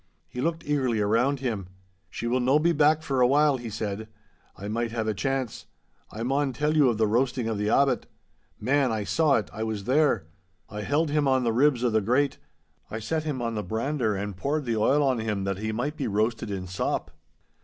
He looked eagerly around him. 'She will no be back for a while,' he said. 'I might have a chance. I maun tell you of the roasting of the abbot. Man, I saw it—I was there. I held him on the ribs o' the grate. I set him on the brander, and poured the oil on him that he might be roasted in sop.